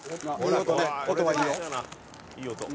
いい音ね。